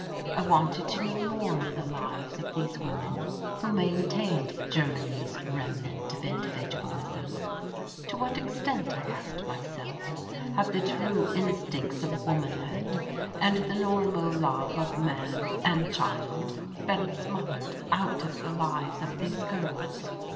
I wanted to know more of the lives of these women who maintained Germany's remnant of individualism. To what extent, I asked myself, have the true instincts of womanhood and the normal love of man and child been smothered out of the lives of these girls?